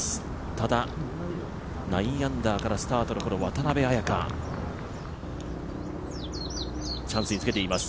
ただ９アンダーからスタートのこの渡邉彩香、チャンスにつけています。